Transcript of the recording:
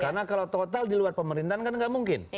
karena kalau total di luar pemerintahan kan nggak mungkin